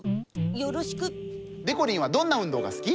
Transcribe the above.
でこりんはどんなうんどうがすき？